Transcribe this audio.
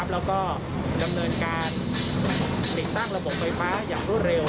แล้วก็ดำเนินการติดตั้งระบบไฟฟ้าอย่างรวดเร็ว